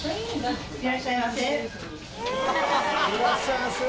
「いらっしゃいませ」。